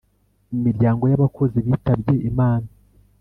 imiryango y abakozi bitabye Imana